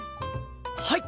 はい！